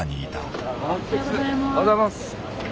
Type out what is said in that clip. おはようございます。